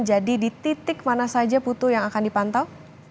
jadi di titik mana saja putu yang akan dipantau